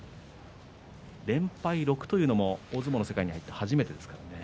連敗６というのも大相撲の世界に入って初めてですからね。